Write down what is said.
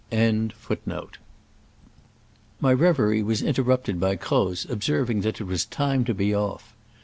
My reverie was interrupted by Croz observing that it was time'to be off.